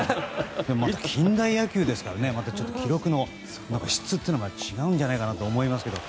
近代野球ですからまた記録の質が違うんじゃないかなと思いますけど。